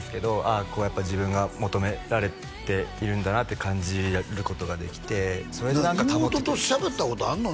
あこうやっぱ自分が求められているんだなって感じることができてそれで何か保ててる妹としゃべったことあんの？